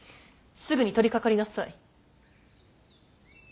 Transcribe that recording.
すぐに取りかかりなさい。